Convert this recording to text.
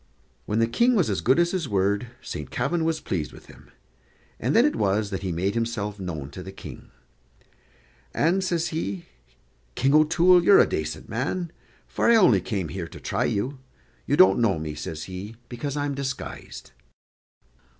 When the King was as good as his word, Saint Kavin was pleased with him, and then it was that he made himself known to the King. "And," says he, "King O'Toole, you're a dacent man, for I only came here to try you. You don't know me," says he, "because I'm disguised."